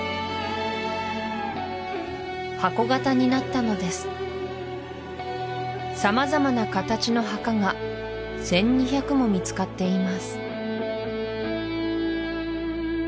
箱形になったのです様々な形の墓が１２００も見つかっています